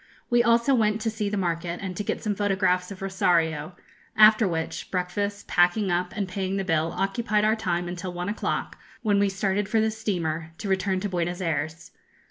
We also went to see the market, and to get some photographs of Rosario; after which, breakfast, packing up, and paying the bill occupied our time until one o'clock, when we started for the steamer, to return to Buenos Ayres.